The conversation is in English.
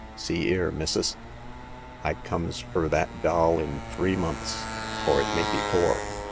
See 'ere, missus ; I comes fur that doll in three months, or it may be four.